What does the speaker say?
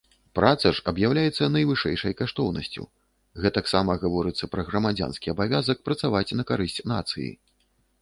Праца ж аб'яўляецца найвышэйшай каштоўнасцю, гэтаксама гаворыцца пра грамадзянскі абавязак працаваць на карысць нацыі.